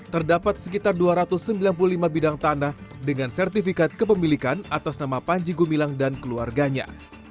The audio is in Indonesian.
terdapat sekitar dua ratus sembilan puluh lima bidang tanah dengan sertifikat kepemilikan atas nama panji gumilang dan keluarganya